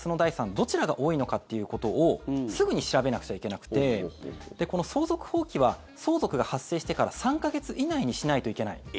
どちらが多いのかということをすぐに調べなくちゃいけなくてこの相続放棄は相続が発生してから３か月以内にしないといけない。